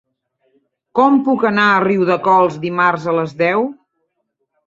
Com puc anar a Riudecols dimarts a les deu?